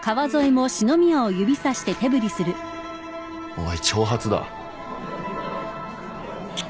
おい挑発だ。